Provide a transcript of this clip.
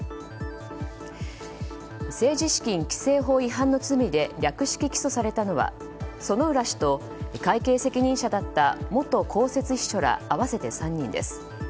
政治資金規正法違反の罪で略式起訴されたのは薗浦氏と会計責任者だった元公設秘書ら合わせて３人です。